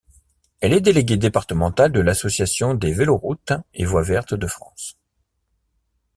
Elle est déléguée départementale de l'association des véloroutes et voies vertes de France.